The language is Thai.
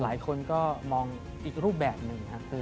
หลายคนก็มองอีกรูปแบบหนึ่งครับ